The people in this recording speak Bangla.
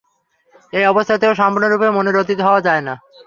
এই অবস্থাতেও সম্পূর্ণরূপে মনের অতীত হওয়া যায় না।